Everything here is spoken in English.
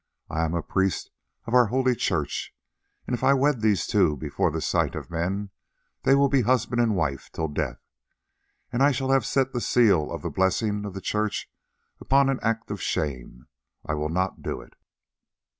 I am a priest of our holy Church, and if I wed these two before the sight of men, they will be husband and wife till death, and I shall have set the seal of the blessing of the Church upon an act of shame. I will not do it."